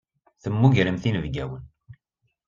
Temmugremt inebgiwen.